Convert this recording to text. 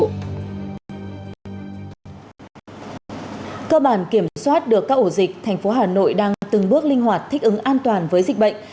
cơ bản kiểm soát được các ổ dịch thành phố hà nội đang từng bước linh hoạt thích ứng an toàn với dịch bệnh